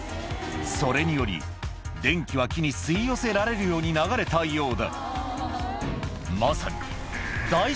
それにより、電気は木に吸い寄せられるように流れたようだ。